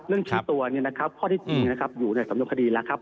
เรื่องชี้ตัวพอที่จริงนะครับอยู่ในสำนุนผสมคฎีแล้วครับ